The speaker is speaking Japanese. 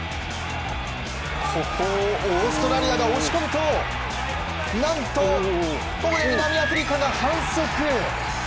ここをオーストラリアが押し込むと何とここで南アフリカが反則。